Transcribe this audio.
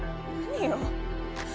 何よ。